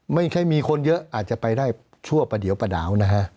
ไม่ใช่มีคนเยอะอาจจะไปได้ชั่วประเดี๋ยวประดาวนะฮะ